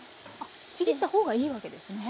ちぎった方がいいわけですね？